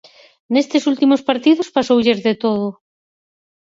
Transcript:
Nestes últimos partidos pasoulles de todo.